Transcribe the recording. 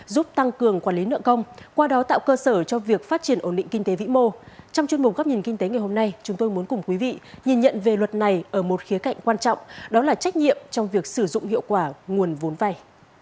đó là trách nhiệm trong việc sử dụng hiệu quả nguồn vốn vay